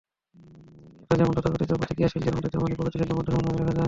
এটা যেমন তথাকথিত প্রতিক্রিয়াশীলদের মধ্যে, তেমনি প্রগতিশীলদের মধ্যেও সমানভাবে দেখা যায়।